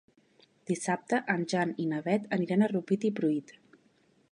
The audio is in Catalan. Dissabte en Jan i na Beth aniran a Rupit i Pruit.